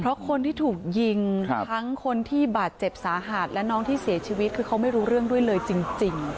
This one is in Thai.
เพราะคนที่ถูกยิงทั้งคนที่บาดเจ็บสาหัสและน้องที่เสียชีวิตคือเขาไม่รู้เรื่องด้วยเลยจริง